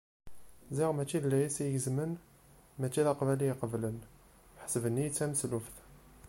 Ziɣ mačči d layas i gezmen, mačči d aqbal iyi-qeblen, ḥesben-iyi d tameslubt.